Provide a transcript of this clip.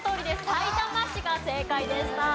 さいたま市が正解でした。